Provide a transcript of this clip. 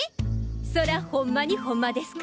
そらホンマにホンマですか？